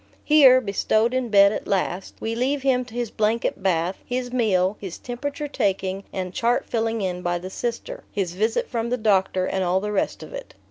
Here, bestowed in bed at last, we leave him to his blanket bath, his meal, his temperature taking and chart filling in by the Sister, his visit from the doctor, and all the rest of it.